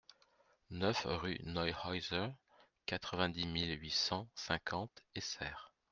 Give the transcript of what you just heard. neuf rue Neuhauser, quatre-vingt-dix mille huit cent cinquante Essert